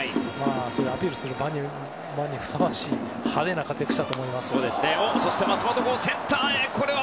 アピールする場にふさわしい派手な活躍をしたと思います。